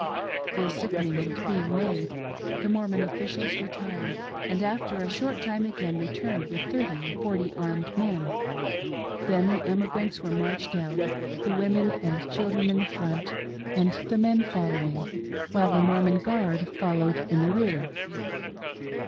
This agreement being made, the Mormon oilficials retired, and after a short time again returned with thirty or forty armed men. Then the emigrants were marched out — the women and children in the front, and the men following, while the Mormon guard followed in the rear.